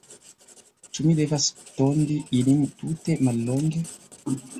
Ĉu mi devas tondi ilin tute mallonge?